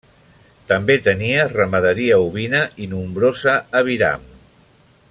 També tenia ramaderia ovina i nombrosa aviram.